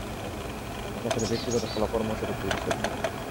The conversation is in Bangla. আপনার সাথে ব্যক্তিগত শলাপরামর্শ করতে ইচ্ছুক।